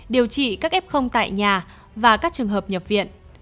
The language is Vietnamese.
điều trị các f tại nhà và các trường hợp nhập viện